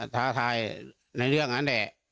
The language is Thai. ท้าทายยังไงครับ